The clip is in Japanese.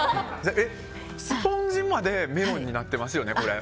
スポンジまでメロンになってますよね？